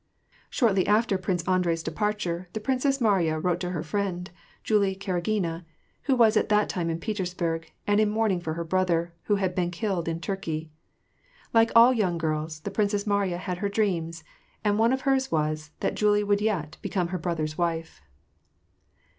Shortly after Prince Andrei's departure, the Princess Mariya wrote to her friend, Julie Karagina, who was at that time in Petersburg, and in mourning for her brother, who had been killed in Turkey. Like all young girls, the Princess Mariya had her dreams ; and one of hers was, that Julie would yet become her brother's wife.